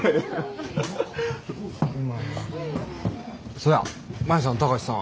そや舞さん貴司さん